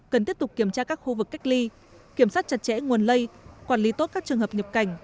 cần tiếp tục kiểm tra các khu vực cách ly kiểm soát chặt chẽ nguồn lây quản lý tốt các trường hợp nhập cảnh